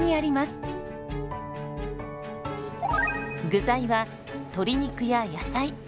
具材は鶏肉や野菜。